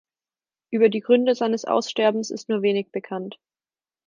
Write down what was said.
Über die Gründe seines Aussterbens ist nur wenig bekannt.